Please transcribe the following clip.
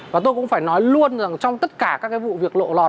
và tôi cũng phải nói luôn rằng trong tất cả các vụ việc lộ lọt